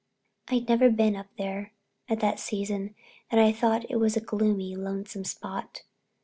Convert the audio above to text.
I'd never been up there at that season and I thought it was a gloomy, lonesome spot.